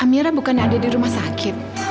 amira bukan ada di rumah sakit